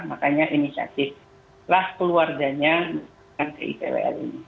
makanya inisiatif pelas keluarganya menitipkan ke ipwl ini